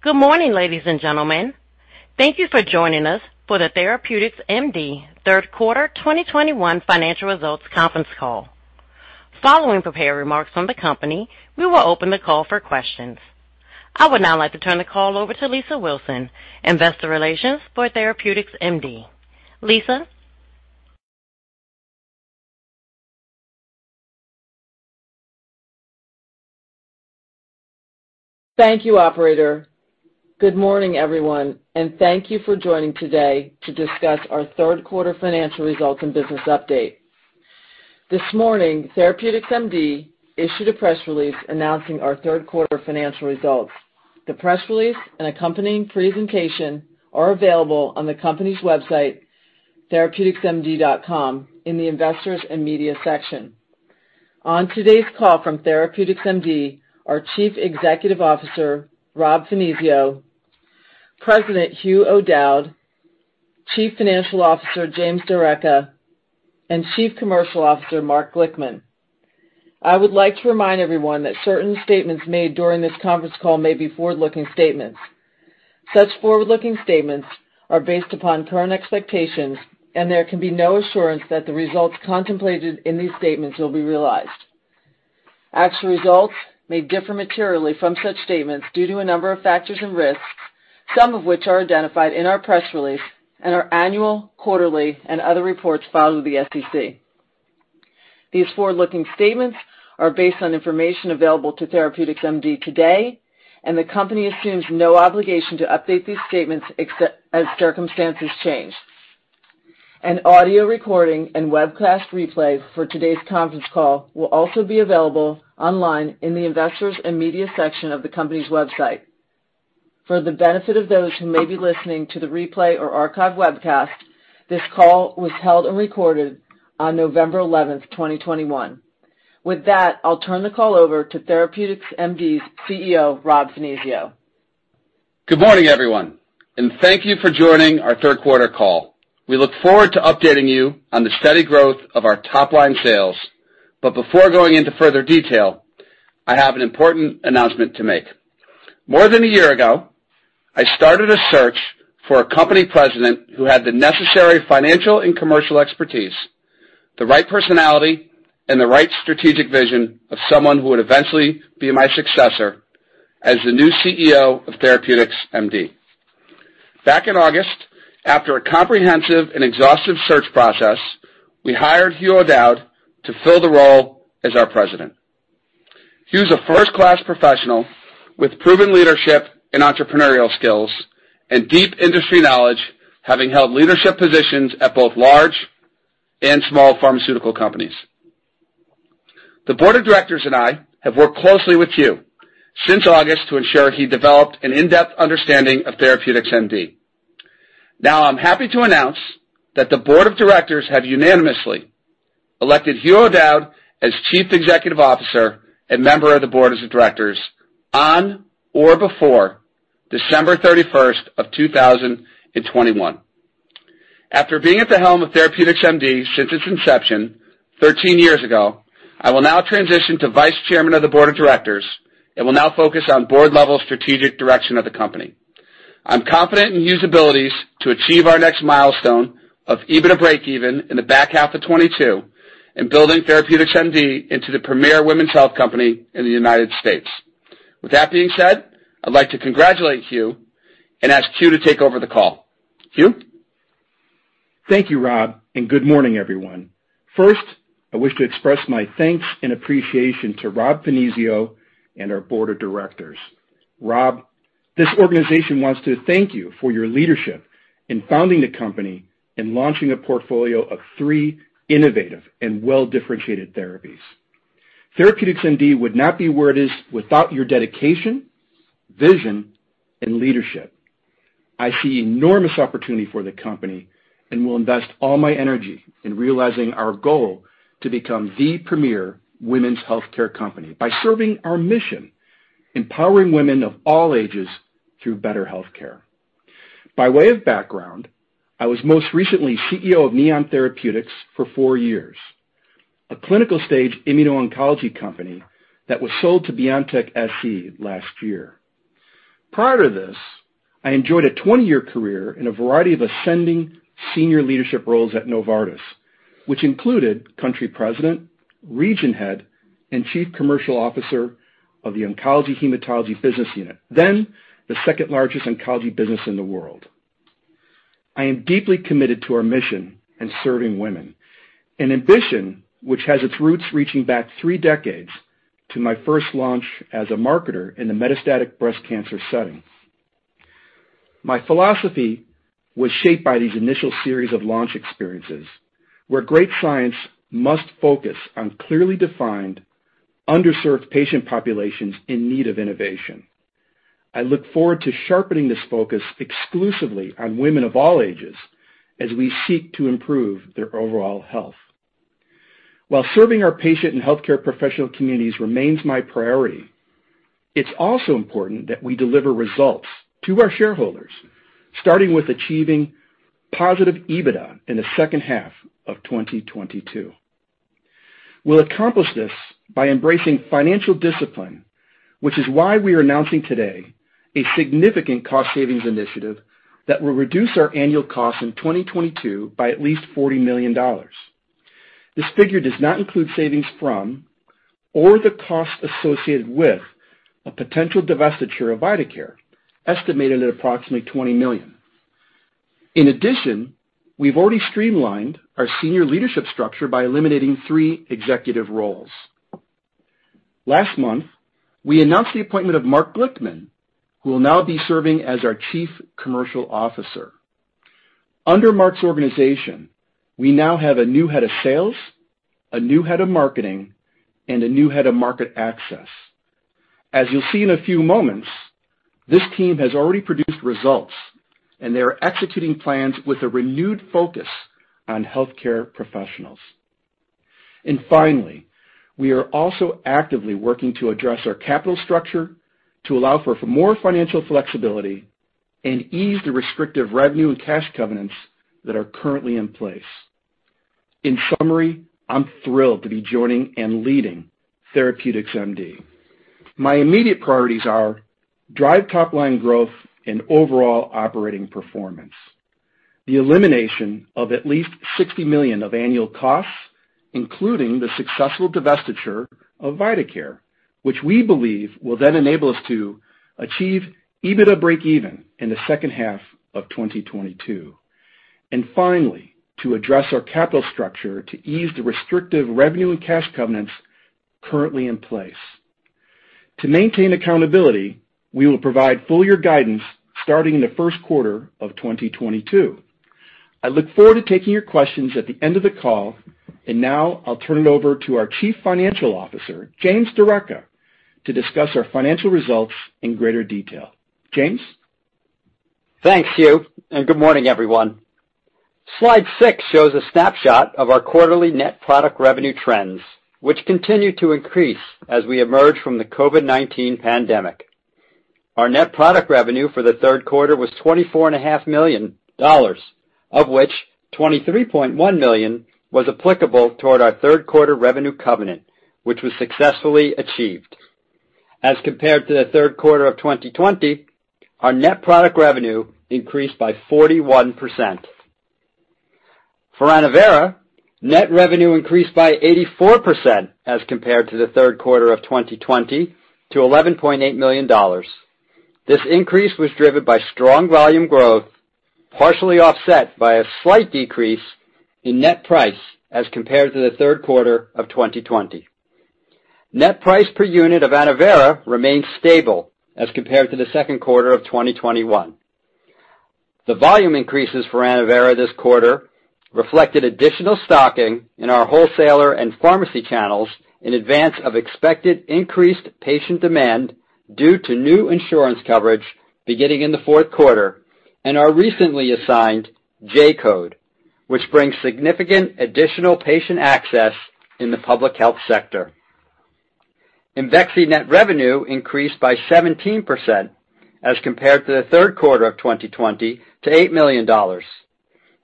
Good morning, ladies and gentlemen. Thank you for joining us for the TherapeuticsMD third quarter 2021 financial results conference call. Following prepared remarks from the company, we will open the call for questions. I would now like to turn the call over to Lisa Wilson, Investor Relations for TherapeuticsMD. Lisa. Thank you, operator. Good morning, everyone, and thank you for joining today to discuss our third quarter financial results and business update. This morning, TherapeuticsMD issued a press release announcing our third quarter financial results. The press release and accompanying presentation are available on the company's website, therapeuticsmd.com in the Investors & Media section. On today's call from TherapeuticsMD are Chief Executive Officer Rob Finizio, President Hugh O'Dowd, Chief Financial Officer James D'Arecca, and Chief Commercial Officer Mark Glickman. I would like to remind everyone that certain statements made during this conference call may be forward-looking statements. Such forward-looking statements are based upon current expectations, and there can be no assurance that the results contemplated in these statements will be realized. Actual results may differ materially from such statements due to a number of factors and risks, some of which are identified in our press release and our annual, quarterly, and other reports filed with the SEC. These forward-looking statements are based on information available to TherapeuticsMD today, and the company assumes no obligation to update these statements except as circumstances change. An audio recording and webcast replay for today's conference call will also be available online in the Investors & Media section of the company's website. For the benefit of those who may be listening to the replay or archive webcast, this call was held and recorded on November 11th, 2021. With that, I'll turn the call over to TherapeuticsMD's CEO, Rob G. Finizio. Good morning, everyone, and thank you for joining our third quarter call. We look forward to updating you on the steady growth of our top-line sales. Before going into further detail, I have an important announcement to make. More than a year ago, I started a search for a company President who had the necessary financial and commercial expertise, the right personality, and the right strategic vision of someone who would eventually be my successor as the new CEO of TherapeuticsMD. Back in August, after a comprehensive and exhaustive search process, we hired Hugh O'Dowd to fill the role as our President. Hugh is a first-class professional with proven leadership and entrepreneurial skills and deep industry knowledge, having held leadership positions at both large and small pharmaceutical companies. The Board of Directors and I have worked closely with Hugh since August to ensure he developed an in-depth understanding of TherapeuticsMD. Now I'm happy to announce that the Board of Directors have unanimously elected Hugh O'Dowd as Chief Executive Officer and Member of the Board of Directors on or before December 31st, 2021. After being at the helm of TherapeuticsMD since its inception 13 years ago, I will now transition to Vice Chairman of the Board of Directors and will now focus on board-level strategic direction of the company. I'm confident in Hugh's abilities to achieve our next milestone of EBITDA breakeven in the back half of 2022 and building TherapeuticsMD into the premier women's health company in the United States. With that being said, I'd like to congratulate Hugh and ask Hugh to take over the call. Hugh? Thank you, Rob, and good morning, everyone. First, I wish to express my thanks and appreciation to Rob Finizio and our Board of Directors. Rob, this organization wants to thank you for your leadership in founding the company and launching a portfolio of three innovative and well-differentiated therapies. TherapeuticsMD would not be where it is without your dedication, vision, and leadership. I see enormous opportunity for the company and will invest all my energy in realizing our goal to become the premier women's healthcare company by serving our mission, empowering women of all ages through better health care. By way of background, I was most recently CEO of Neon Therapeutics for four years, a clinical-stage immuno-oncology company that was sold to BioNTech SE last year. Prior to this, I enjoyed a 20-year career in a variety of ascending senior leadership roles at Novartis, which included Country President, Region Head, and Chief Commercial Officer of the Oncology Hematology Business Unit, then the second-largest oncology business in the world. I am deeply committed to our mission in serving women, an ambition which has its roots reaching back three decades to my first launch as a marketer in the metastatic breast cancer setting. My philosophy was shaped by these initial series of launch experiences, where great science must focus on clearly defined, underserved patient populations in need of innovation. I look forward to sharpening this focus exclusively on women of all ages as we seek to improve their overall health. While serving our patient and healthcare professional communities remains my priority, it's also important that we deliver results to our shareholders, starting with achieving positive EBITDA in the second half of 2022. We'll accomplish this by embracing financial discipline, which is why we are announcing today a significant cost savings initiative that will reduce our annual costs in 2022 by at least $40 million. This figure does not include savings from, or the cost associated with, a potential divestiture of vitaCare, estimated at approximately $20 million. In addition, we've already streamlined our senior leadership structure by eliminating three executive roles. Last month, we announced the appointment of Mark Glickman, who will now be serving as our Chief Commercial Officer. Under Mark's organization, we now have a new Head of Sales, a new Head of Marketing, and a new Head of Market Access. As you'll see in a few moments, this team has already produced results, and they are executing plans with a renewed focus on healthcare professionals. Finally, we are also actively working to address our capital structure to allow for more financial flexibility and ease the restrictive revenue and cash covenants that are currently in place. In summary, I'm thrilled to be joining and leading TherapeuticsMD. My immediate priorities are to drive top line growth and overall operating performance, the elimination of at least $60 million of annual costs, including the successful divestiture of vitaCare, which we believe will then enable us to achieve EBITDA breakeven in the second half of 2022. Finally, to address our capital structure to ease the restrictive revenue and cash covenants currently in place. To maintain accountability, we will provide full year guidance starting in the first quarter of 2022. I look forward to taking your questions at the end of the call. Now I'll turn it over to our Chief Financial Officer, James D'Arecca, to discuss our financial results in greater detail. James? Thanks, Hugh, and good morning, everyone. Slide six shows a snapshot of our quarterly net product revenue trends, which continue to increase as we emerge from the COVID-19 pandemic. Our net product revenue for the third quarter was $24.5 million, of which $23.1 million was applicable toward our third quarter revenue covenant, which was successfully achieved. As compared to the third quarter of 2020, our net product revenue increased by 41%. For ANNOVERA, net revenue increased by 84% as compared to the third quarter of 2020 to $11.8 million. This increase was driven by strong volume growth, partially offset by a slight decrease in net price as compared to the third quarter of 2020. Net price per unit of ANNOVERA remained stable as compared to the second quarter of 2021. The volume increases for ANNOVERA this quarter reflected additional stocking in our wholesaler and pharmacy channels in advance of expected increased patient demand due to new insurance coverage beginning in the fourth quarter and our recently assigned J-code, which brings significant additional patient access in the public health sector. IMVEXXY net revenue increased by 17% as compared to the third quarter of 2020 to $8 million.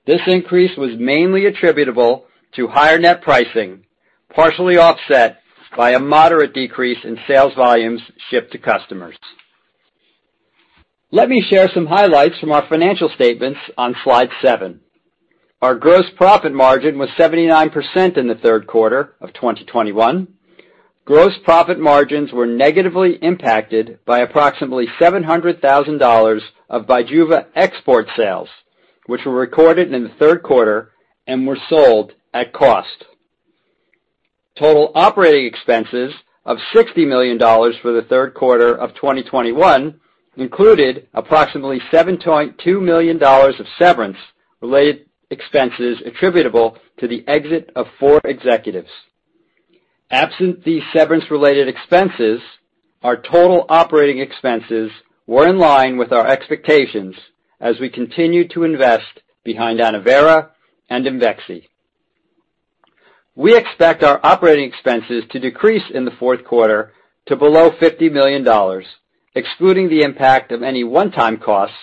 This increase was mainly attributable to higher net pricing, partially offset by a moderate decrease in sales volumes shipped to customers. Let me share some highlights from our financial statements on slide seven. Our gross profit margin was 79% in the third quarter of 2021. Gross profit margins were negatively impacted by approximately $700,000 of BIJUVA export sales, which were recorded in the third quarter and were sold at cost. Total operating expenses of $60 million for the third quarter of 2021 included approximately $7.2 million of severance-related expenses attributable to the exit of four executives. Absent these severance-related expenses, our total operating expenses were in line with our expectations as we continue to invest behind ANNOVERA and IMVEXXY. We expect our operating expenses to decrease in the fourth quarter to below $50 million, excluding the impact of any one-time costs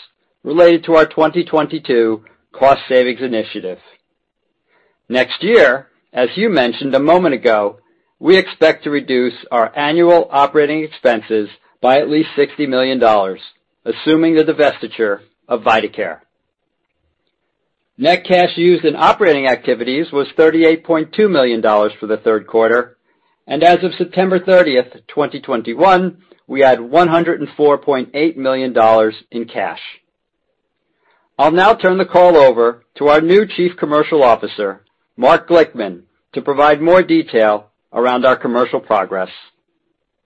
related to our 2022 cost savings initiative. Next year, as Hugh mentioned a moment ago, we expect to reduce our annual operating expenses by at least $60 million, assuming the divestiture of vitaCare. Net cash used in operating activities was $38.2 million for the third quarter, and as of September 30th, 2021, we had $104.8 million in cash. I'll now turn the call over to our new Chief Commercial Officer, Mark Glickman, to provide more detail around our commercial progress.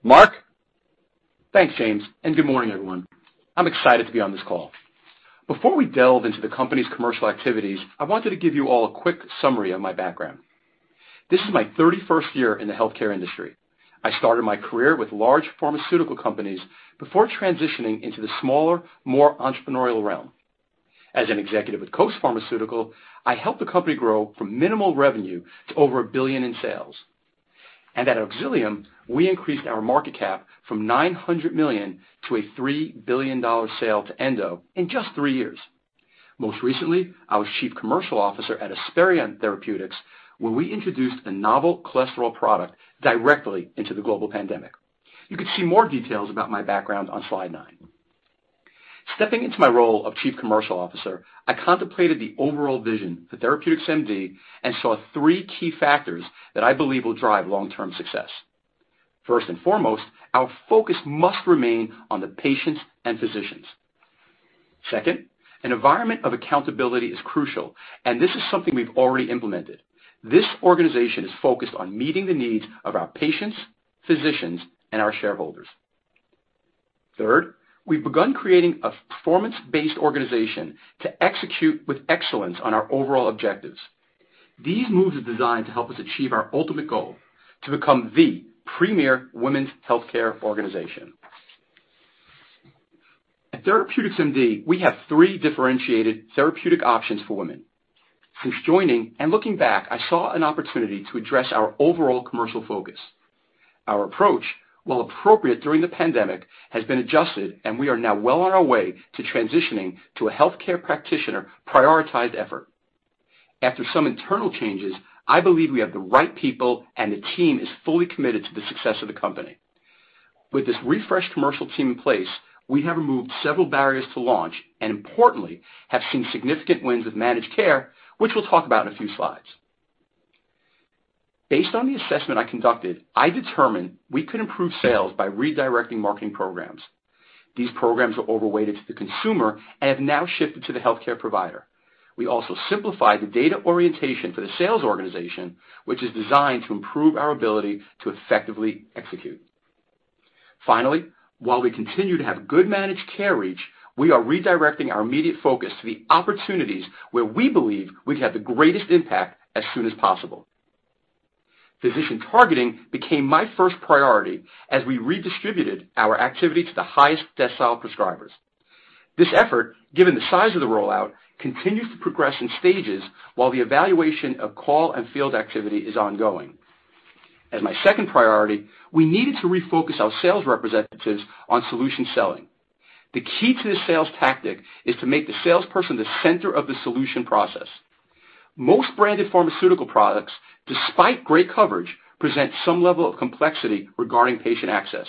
Mark? Thanks, James, and good morning, everyone. I'm excited to be on this call. Before we delve into the company's commercial activities, I wanted to give you all a quick summary of my background. This is my 31st year in the healthcare industry. I started my career with large pharmaceutical companies before transitioning into the smaller, more entrepreneurial realm. As an executive at Coast Pharmaceutical, I helped the company grow from minimal revenue to over $1 billion in sales. At Auxilium, we increased our market cap from $900 million to a $3 billion sale to Endo in just three years. Most recently, I was Chief Commercial Officer at Esperion Therapeutics, where we introduced a novel cholesterol product directly into the global pandemic. You can see more details about my background on slide nine. Stepping into my role of Chief Commercial Officer, I contemplated the overall vision for TherapeuticsMD and saw three key factors that I believe will drive long-term success. First and foremost, our focus must remain on the patients and physicians. Second, an environment of accountability is crucial, and this is something we've already implemented. This organization is focused on meeting the needs of our patients, physicians, and our shareholders. Third, we've begun creating a performance-based organization to execute with excellence on our overall objectives. These moves are designed to help us achieve our ultimate goal, to become the premier women's healthcare organization. At TherapeuticsMD, we have three differentiated therapeutic options for women. Since joining and looking back, I saw an opportunity to address our overall commercial focus. Our approach, while appropriate during the pandemic, has been adjusted, and we are now well on our way to transitioning to a healthcare practitioner prioritized effort. After some internal changes, I believe we have the right people, and the team is fully committed to the success of the company. With this refreshed commercial team in place, we have removed several barriers to launch, and importantly, have seen significant wins with managed care, which we'll talk about in a few slides. Based on the assessment I conducted, I determined we could improve sales by redirecting marketing programs. These programs were over-weighted to the consumer and have now shifted to the healthcare provider. We also simplified the data orientation for the sales organization, which is designed to improve our ability to effectively execute. Finally, while we continue to have good managed care reach, we are redirecting our immediate focus to the opportunities where we believe we'd have the greatest impact as soon as possible. Physician targeting became my first priority as we redistributed our activity to the highest decile prescribers. This effort, given the size of the rollout, continues to progress in stages while the evaluation of call and field activity is ongoing. As my second priority, we needed to refocus our sales representatives on solution selling. The key to this sales tactic is to make the salesperson the center of the solution process. Most branded pharmaceutical products, despite great coverage, present some level of complexity regarding patient access.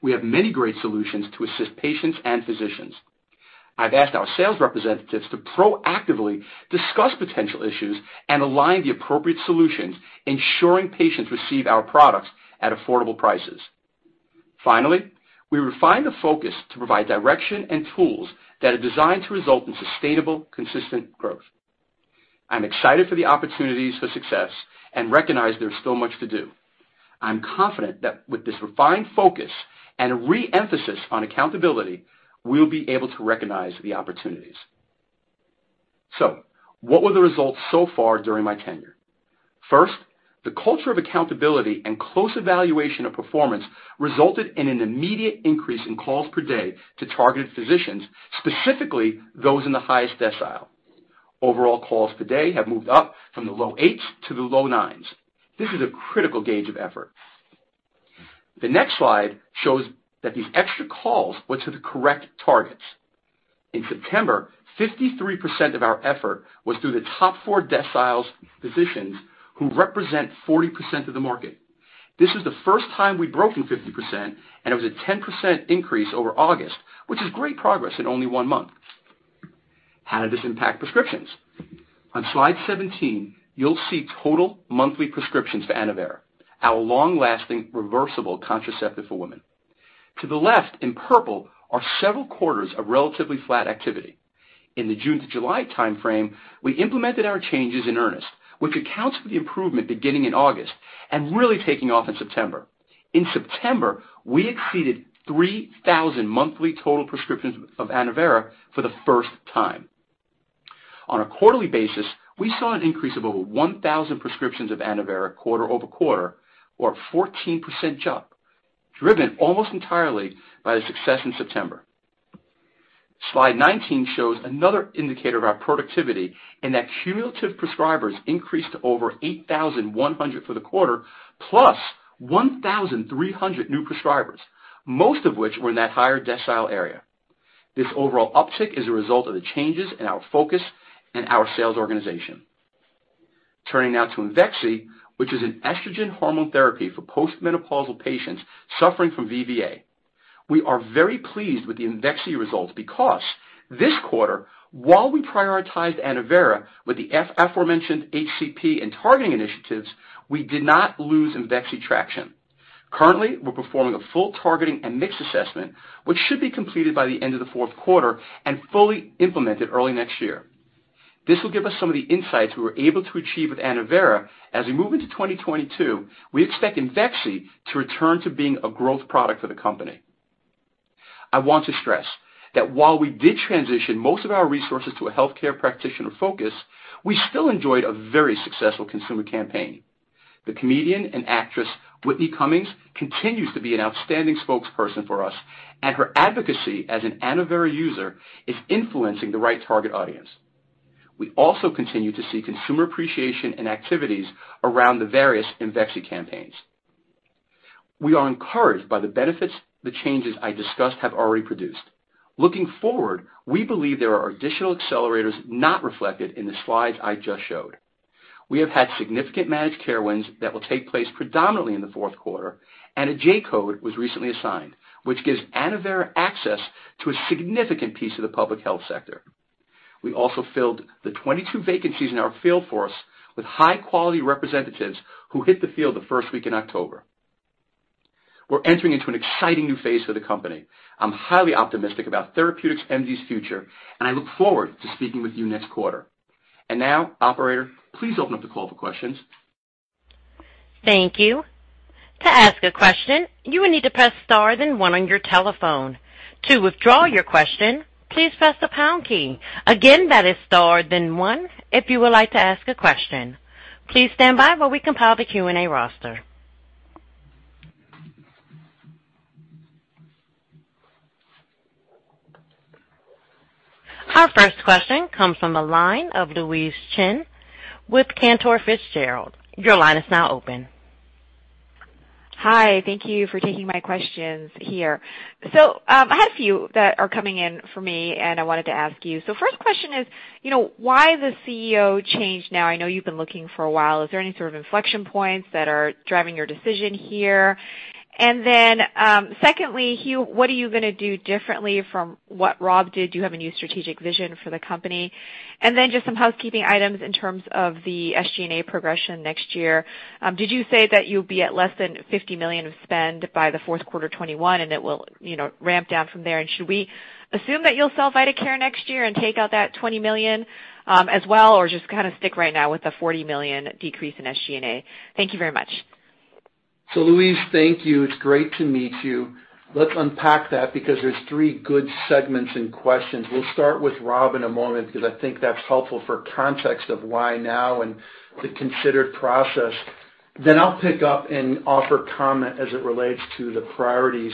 We have many great solutions to assist patients and physicians. I've asked our sales representatives to proactively discuss potential issues and align the appropriate solutions, ensuring patients receive our products at affordable prices. Finally, we refined the focus to provide direction and tools that are designed to result in sustainable, consistent growth. I'm excited for the opportunities for success and recognize there's still much to do. I'm confident that with this refined focus and a re-emphasis on accountability, we'll be able to recognize the opportunities. What were the results so far during my tenure? First, the culture of accountability and close evaluation of performance resulted in an immediate increase in calls per day to targeted physicians, specifically those in the highest decile. Overall calls per day have moved up from the low eights to the low nines. This is a critical gauge of effort. The next slide shows that these extra calls went to the correct targets. In September, 53% of our effort was through the top four deciles physicians who represent 40% of the market. This is the first time we've broken 50%, and it was a 10% increase over August, which is great progress in only one month. How did this impact prescriptions? On slide 17, you'll see total monthly prescriptions for ANNOVERA, our long-lasting reversible contraceptive for women. To the left in purple are several quarters of relatively flat activity. In the June to July timeframe, we implemented our changes in earnest, which accounts for the improvement beginning in August and really taking off in September. In September, we exceeded 3,000 monthly total prescriptions of ANNOVERA for the first time. On a quarterly basis, we saw an increase of over 1,000 prescriptions of ANNOVERA quarter-over-quarter or a 14% jump, driven almost entirely by the success in September. Slide 19 shows another indicator of our productivity in that cumulative prescribers increased to over 8,100 for the quarter, plus 1,300 new prescribers, most of which were in that higher decile area. This overall uptick is a result of the changes in our focus and our sales organization. Turning now to IMVEXXY, which is an estrogen hormone therapy for post-menopausal patients suffering from VVA. We are very pleased with the IMVEXXY results because this quarter, while we prioritized ANNOVERA with the aforementioned HCP and targeting initiatives, we did not lose IMVEXXY traction. Currently, we're performing a full targeting and mix assessment, which should be completed by the end of the fourth quarter and fully implemented early next year. This will give us some of the insights we were able to achieve with ANNOVERA. As we move into 2022, we expect IMVEXXY to return to being a growth product for the company. I want to stress that while we did transition most of our resources to a healthcare practitioner focus, we still enjoyed a very successful consumer campaign. The comedian and actress Whitney Cummings continues to be an outstanding spokesperson for us, and her advocacy as an ANNOVERA user is influencing the right target audience. We also continue to see consumer appreciation and activities around the various IMVEXXY campaigns. We are encouraged by the benefits the changes I discussed have already produced. Looking forward, we believe there are additional accelerators not reflected in the slides I just showed. We have had significant managed care wins that will take place predominantly in the fourth quarter, and a J-code was recently assigned, which gives ANNOVERA access to a significant piece of the public health sector. We also filled the 22 vacancies in our field force with high-quality representatives who hit the field the first week in October. We're entering into an exciting new phase for the company. I'm highly optimistic about TherapeuticsMD's future, and I look forward to speaking with you next quarter. Now, operator, please open up the call for questions. Thank you. To ask a question, you will need to press star, then one on your telephone. To withdraw your question, please press the pound key. Again, that is star, then one if you would like to ask a question. Please stand by while we compile the Q&A roster. Our first question comes from the line of Louise Chen with Cantor Fitzgerald. Your line is now open. Hi. Thank you for taking my questions here. I have a few that are coming in for me, and I wanted to ask you. First question is, you know, why the CEO change now? I know you've been looking for a while. Is there any sort of inflection points that are driving your decision here? Secondly, Hugh, what are you gonna do differently from what Rob did? Do you have a new strategic vision for the company? Just some housekeeping items in terms of the SG&A progression next year. Did you say that you'll be at less than $50 million of spend by the fourth quarter 2021, and it will, you know, ramp down from there? Should we assume that you'll sell vitaCare next year and take out that $20 million, as well, or just kinda stick right now with the $40 million decrease in SG&A? Thank you very much. Louise, thank you. It's great to meet you. Let's unpack that because there's three good segments and questions. We'll start with Rob in a moment because I think that's helpful for context of why now and the considered process. Then I'll pick up and offer comment as it relates to the priorities,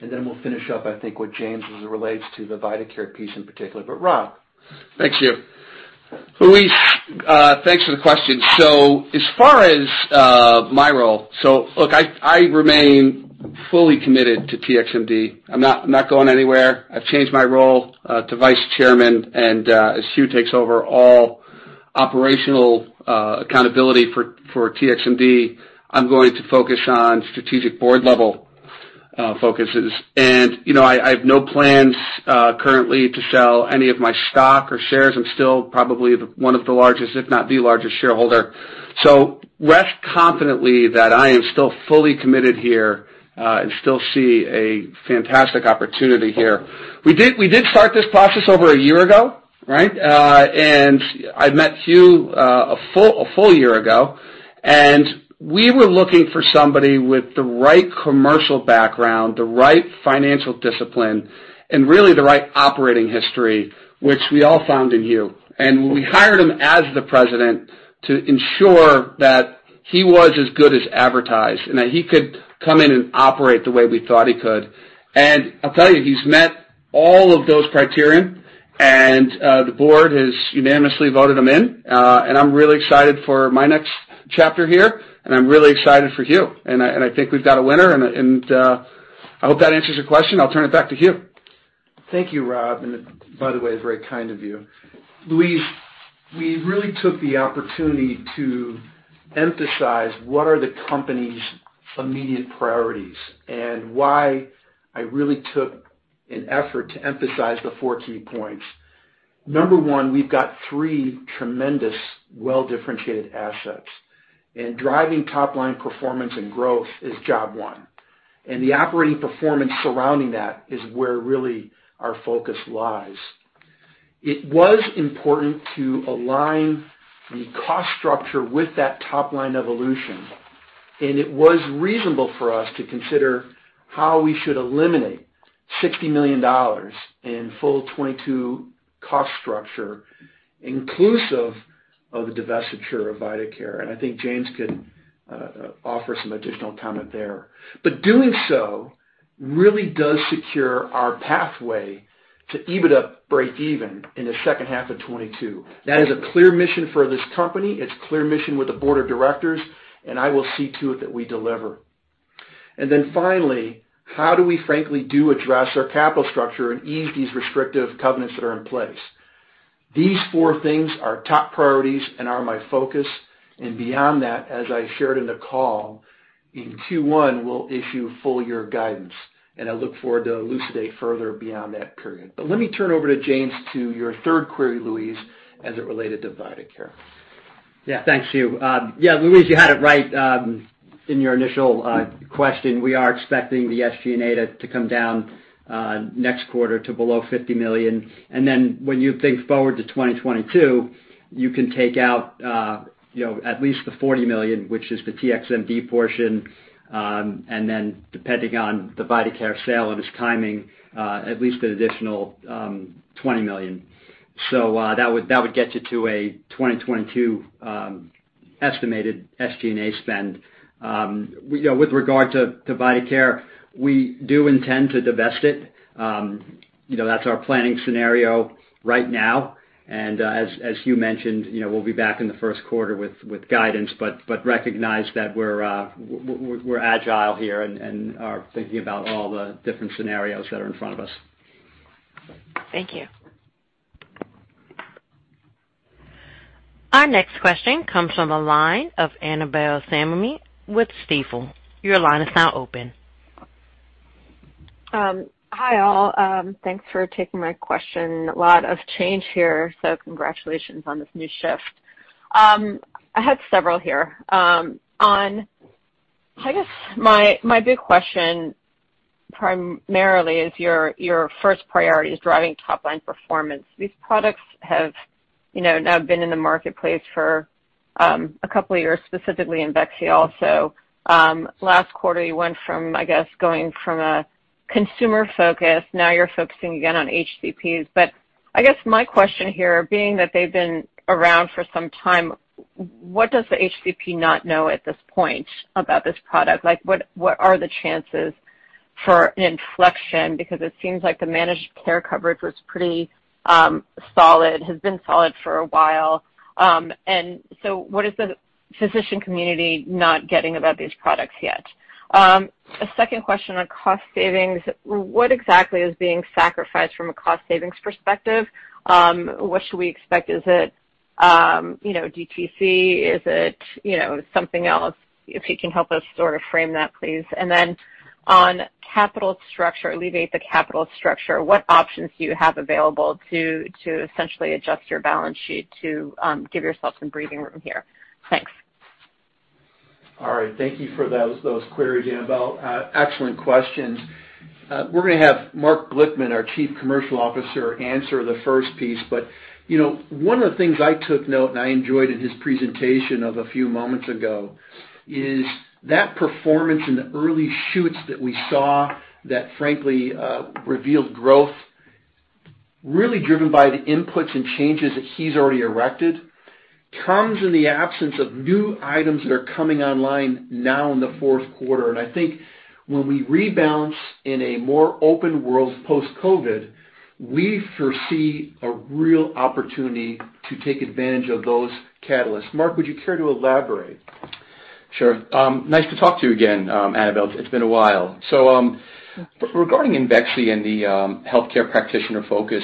and then we'll finish up, I think, with James, as it relates to the vitaCare piece in particular. Rob? Thanks, Hugh. Louise, thanks for the question. As far as my role, so look, I remain fully committed to TXMD. I'm not going anywhere. I've changed my role to vice chairman, and as Hugh takes over all operational accountability for TXMD, I'm going to focus on strategic board level focuses. You know, I have no plans currently to sell any of my stock or shares. I'm still probably one of the largest, if not the largest shareholder. Rest confidently that I am still fully committed here, and still see a fantastic opportunity here. We did start this process over a year ago, right? I met Hugh a full year ago. We were looking for somebody with the right commercial background, the right financial discipline, and really the right operating history, which we all found in Hugh. We hired him as the President to ensure that he was as good as advertised and that he could come in and operate the way we thought he could. I'll tell you, he's met all of those criteria and the Board has unanimously voted him in. I'm really excited for my next chapter here, and I'm really excited for Hugh. I think we've got a winner and I hope that answers your question. I'll turn it back to Hugh. Thank you, Rob, and by the way, very kind of you. Louise, we really took the opportunity to emphasize what are the company's immediate priorities and why I really took an effort to emphasize the four key points. Number one, we've got three tremendous, well-differentiated assets, and driving top-line performance and growth is job one. The operating performance surrounding that is where really our focus lies. It was important to align the cost structure with that top-line evolution, and it was reasonable for us to consider how we should eliminate $60 million in full 2022 cost structure, inclusive of the divestiture of vitaCare. I think James could offer some additional comment there. Doing so really does secure our pathway to EBITDA breakeven in the second half of 2022. That is a clear mission for this company. It's a clear mission with the Board of Directors, and I will see to it that we deliver. Then finally, how do we frankly address our capital structure and ease these restrictive covenants that are in place? These four things are top priorities and are my focus, and beyond that, as I shared in the call, in Q1, we'll issue full year guidance, and I look forward to elucidate further beyond that period. Let me turn over to James to your third query, Louise, as it related to vitaCare. Yeah. Thanks, Hugh. Yeah, Louise, you had it right in your initial question. We are expecting the SG&A to come down next quarter to below $50 million. When you think forward to 2022, you can take out you know, at least the $40 million, which is the TXMD portion, and then depending on the vitaCare sale and its timing, at least an additional $20 million. That would get you to a 2022 estimated SG&A spend. You know, with regard to vitaCare, we do intend to divest it. You know, that's our planning scenario right now. As Hugh mentioned, you know, we'll be back in the first quarter with guidance, but recognize that we're agile here and are thinking about all the different scenarios that are in front of us. Thank you. Our next question comes from the line of Annabel Samimy with Stifel. Your line is now open. Hi, all. Thanks for taking my question. A lot of change here, so congratulations on this new shift. I had several here. I guess my big question primarily is your first priority is driving top-line performance. These products have, you know, now been in the marketplace for a couple of years, specifically IMVEXXY also. Last quarter, you went from, I guess, going from a consumer focus, now you're focusing again on HCPs. I guess my question here being that they've been around for some time, what does the HCP not know at this point about this product? Like, what are the chances for an inflection? Because it seems like the managed care coverage was pretty solid, has been solid for a while. What is the physician community not getting about these products yet? A second question on cost savings. What exactly is being sacrificed from a cost savings perspective? What should we expect? Is it, you know, DTC? Is it, you know, something else? If you can help us sort of frame that, please. On capital structure, alleviate the capital structure, what options do you have available to essentially adjust your balance sheet to give yourself some breathing room here? Thanks. All right. Thank you for those queries, Annabel. Excellent questions. We're gonna have Mark Glickman, our Chief Commercial Officer, answer the first piece. You know, one of the things I took note and I enjoyed in his presentation of a few moments ago is that performance in the early shoots that we saw that frankly revealed growth really driven by the inputs and changes that he's already effected comes in the absence of new items that are coming online now in the fourth quarter. I think when we rebalance in a more open world post-COVID, we foresee a real opportunity to take advantage of those catalysts. Mark, would you care to elaborate? Sure. Nice to talk to you again, Annabel. It's been a while. Regarding IMVEXXY and the healthcare practitioner focus,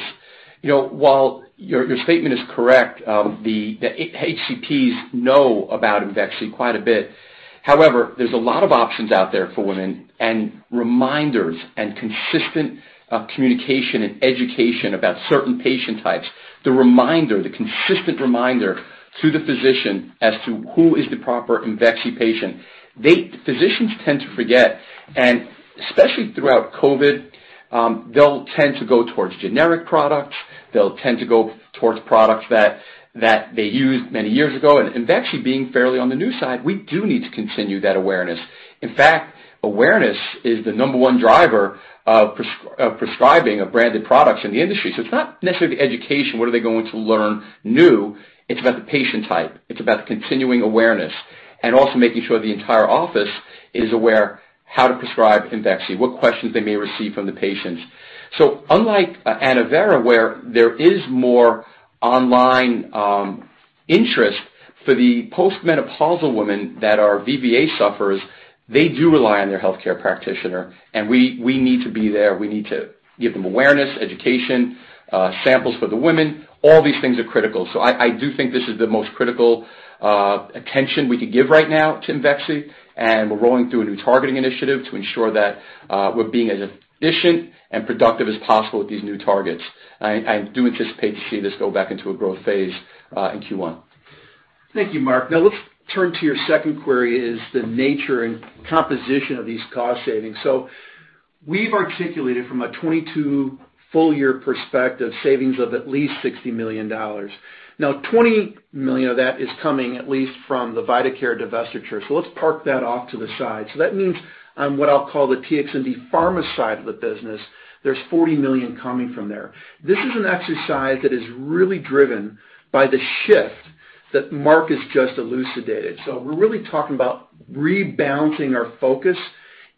you know, while your statement is correct, the HCPs know about IMVEXXY quite a bit. However, there's a lot of options out there for women and reminders and consistent communication and education about certain patient types. The consistent reminder to the physician as to who is the proper IMVEXXY patient. Physicians tend to forget, and especially throughout COVID, they'll tend to go towards generic products. They'll tend to go towards products that they used many years ago. IMVEXXY being fairly on the new side, we do need to continue that awareness. In fact, awareness is the number one driver of prescribing of branded products in the industry. It's not necessarily the education, what are they going to learn new? It's about the patient type. It's about continuing awareness and also making sure the entire office is aware how to prescribe IMVEXXY, what questions they may receive from the patients. Unlike ANNOVERA, where there is more online interest for the post-menopausal women that are VVA sufferers, they do rely on their healthcare practitioner, and we need to be there. We need to give them awareness, education, samples for the women. All these things are critical. I do think this is the most critical attention we can give right now to IMVEXXY, and we're rolling through a new targeting initiative to ensure that we're being as efficient and productive as possible with these new targets. I do anticipate to see this go back into a growth phase in Q1. Thank you, Mark. Now let's turn to your second query is the nature and composition of these cost savings. We've articulated from a 2022 full year perspective savings of at least $60 million. Now, $20 million of that is coming at least from the vitaCare divestiture. Let's park that off to the side. That means, what I'll call the TXMD Pharma side of the business, there's $40 million coming from there. This is an exercise that is really driven by the shift that Mark has just elucidated. We're really talking about rebalancing our focus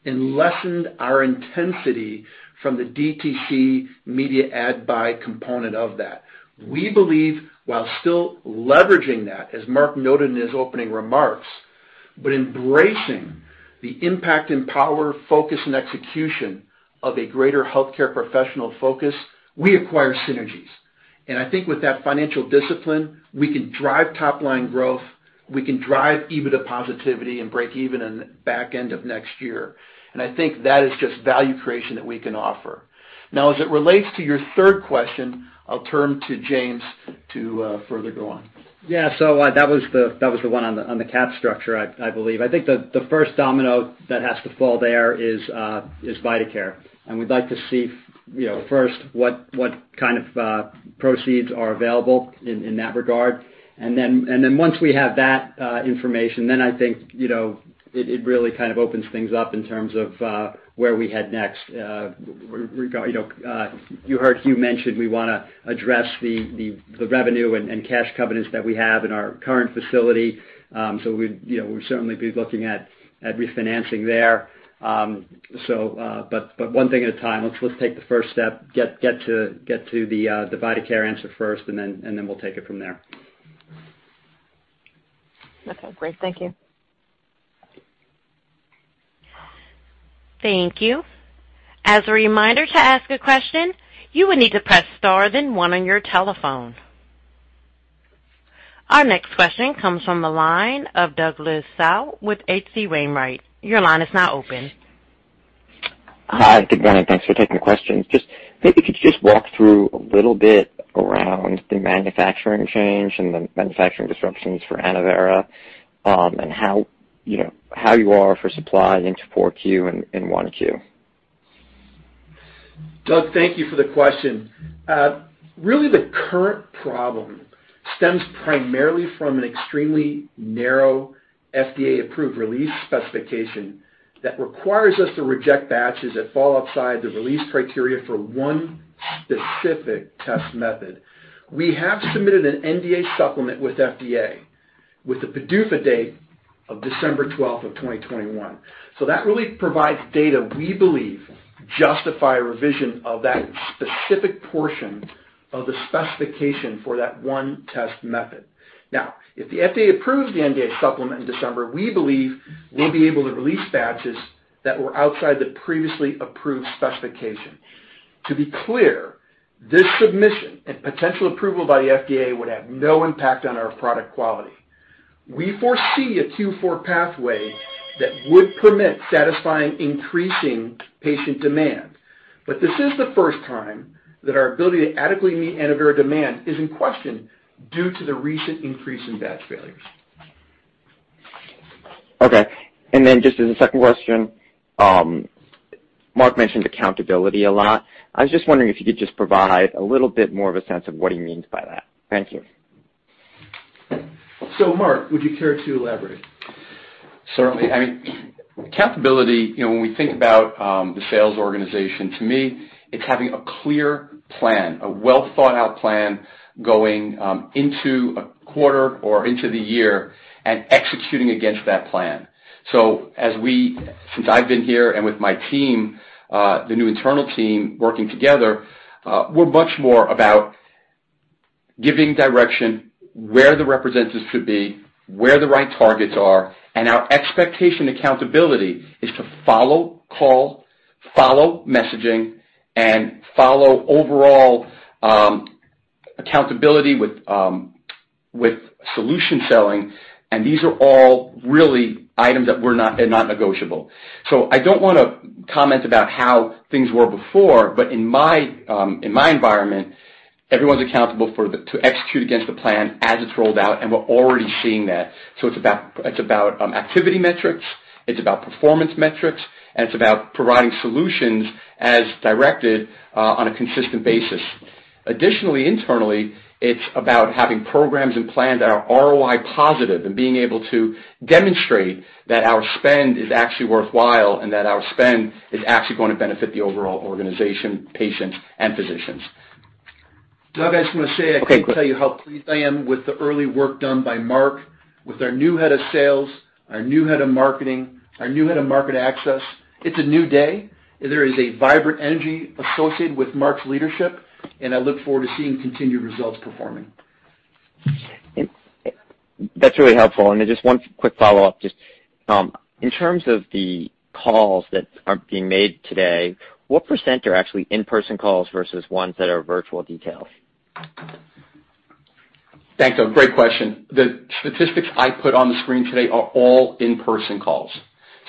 and lessen our intensity from the DTC media ad buy component of that. We believe while still leveraging that, as Mark noted in his opening remarks, but embracing the impact and power, focus and execution of a greater healthcare professional focus, we acquire synergies. I think with that financial discipline, we can drive top-line growth. We can drive EBITDA positivity and break even in the back end of next year. I think that is just value creation that we can offer. Now, as it relates to your third question, I'll turn to James to further go on. Yeah, that was the one on the capital structure, I believe. I think the first domino that has to fall there is vitaCare. We'd like to see, you know, first, what kind of proceeds are available in that regard. Then once we have that information, then I think, you know, it really kind of opens things up in terms of where we head next. Regarding, you know, you heard Hugh mention we wanna address the revenue and cash covenants that we have in our current facility. We'd, you know, we'll certainly be looking at refinancing there. But one thing at a time. Let's take the first step, get to the vitaCare answer first, and then we'll take it from there. Okay, great. Thank you. Thank you. As a reminder to ask a question, you will need to press star then one on your telephone. Our next question comes from the line of Douglas Tsao with H.C. Wainwright. Your line is now open. Hi, good morning. Thanks for taking the questions. Just maybe you could just walk through a little bit around the manufacturing change and the manufacturing disruptions for ANNOVERA, and how, you know, how you are for supply into 4Q and 1Q. Doug, thank you for the question. Really the current problem stems primarily from an extremely narrow FDA-approved release specification that requires us to reject batches that fall outside the release criteria for one specific test method. We have submitted an NDA supplement with FDA with the PDUFA date of December 12, 2021. That really provides data we believe justify revision of that specific portion of the specification for that one test method. Now, if the FDA approves the NDA supplement in December, we believe we'll be able to release batches that were outside the previously approved specification. To be clear, this submission and potential approval by the FDA would have no impact on our product quality. We foresee a 2-4 pathway that would permit satisfying increasing patient demand. This is the first time that our ability to adequately meet ANNOVERA demand is in question due to the recent increase in batch failures. Okay. Just as a second question, Mark mentioned accountability a lot. I was just wondering if you could just provide a little bit more of a sense of what he means by that. Thank you. Mark, would you care to elaborate? Certainly. I mean, accountability, you know, when we think about the sales organization, to me it's having a clear plan, a well-thought-out plan going into a quarter or into the year and executing against that plan. Since I've been here and with my team, the new internal team working together, we're much more about giving direction where the representatives should be, where the right targets are, and our expectation accountability is to follow call, follow messaging, and follow overall accountability with solution selling. These are all really items that they're not negotiable. I don't wanna comment about how things were before, but in my environment, everyone's accountable to execute against the plan as it's rolled out, and we're already seeing that. It's about activity metrics, it's about performance metrics, and it's about providing solutions as directed on a consistent basis. Additionally, internally, it's about having programs and plans that are ROI positive and being able to demonstrate that our spend is actually worthwhile and that our spend is actually gonna benefit the overall organization, patients, and physicians. Doug, I just wanna say. Okay. I can't tell you how pleased I am with the early work done by Mark, with our new Head of Sales, our new Head of Marketing, our new Head of Market Access. It's a new day. There is a vibrant energy associated with Mark's leadership, and I look forward to seeing continued results performing. That's really helpful. Then just one quick follow-up. Just, in terms of the calls that are being made today, what percent are actually in-person calls versus ones that are virtual? Details? Thanks, Doug. Great question. The statistics I put on the screen today are all in-person calls.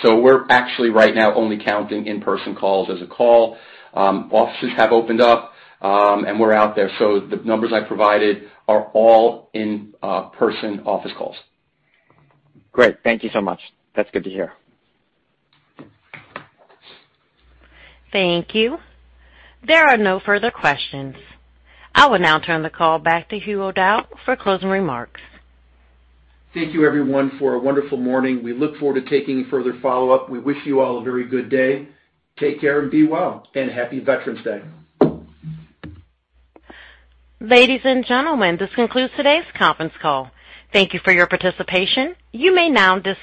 We're actually right now only counting in-person calls as a call. Offices have opened up, and we're out there. The numbers I provided are all in-person office calls. Great. Thank you so much. That's good to hear. Thank you. There are no further questions. I will now turn the call back to Hugh O'Dowd for closing remarks. Thank you everyone for a wonderful morning. We look forward to taking any further follow-up. We wish you all a very good day. Take care and be well, and Happy Veterans Day. Ladies and gentlemen, this concludes today's conference call. Thank you for your participation. You may now dis-